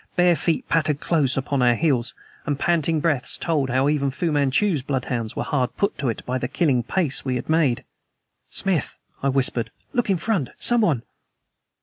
Bare feet pattered close upon our heels, and panting breaths told how even Fu Manchu's bloodhounds were hard put to it by the killing pace we had made. "Smith," I whispered, "look in front. Someone!"